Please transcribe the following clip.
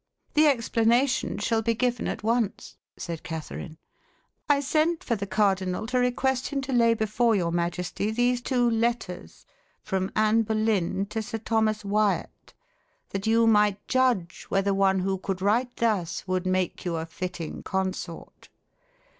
"The explanation shall be given at once," said Catherine. "I sent for the cardinal to request him to lay before your majesty these two letters from Anne Boleyn to Sir Thomas Wyat, that you might judge whether one who could write thus would make you a fitting consort.